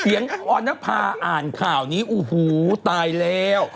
เสียงออนภาอ่านข่าวนี้อู้หูวตายแล้ว